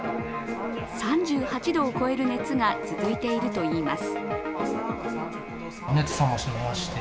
３８度を超える熱が続いているといいます。